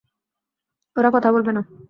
ওরা কথা বলবে না।